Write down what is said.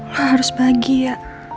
lo harus bahagia